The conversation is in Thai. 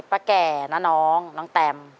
ป้าแก่น้องน้องแตม